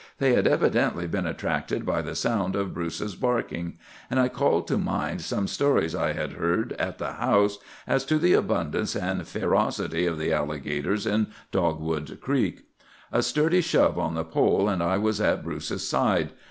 They had evidently been attracted by the sound of Bruce's barking; and I called to mind some stories I had heard at the house as to the abundance and ferocity of the alligators in Dogwood Creek. "A sturdy shove on the pole, and I was at Bruce's side.